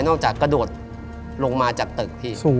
นอกจากกระโดดลงมาจากตึก